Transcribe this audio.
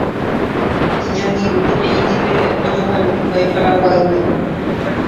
Iñangirũ peteĩ ndive ojogueru hikuái Paraguaýpe.